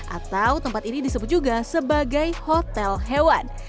atau tempat ini disebut juga sebagai hotel hewan